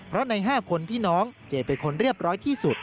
เพราะใน๕คนพี่น้องเจเป็นคนเรียบร้อยที่สุด